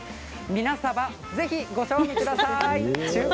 皆サバぜひご賞味ください。